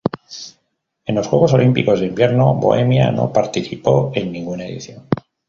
En los Juegos Olímpicos de Invierno Bohemia no participó en ninguna edición.